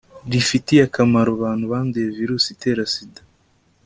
rifitiye akamaro abantu banduye virusi itera sida